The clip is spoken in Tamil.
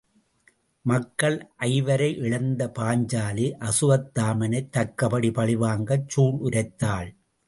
மக்கள் ஐவரை இழந்த பாஞ்சாலி அசுவத்தாமனைத் தக்கபடி பழி வாங்கச் சூள் உரைத்தாள்.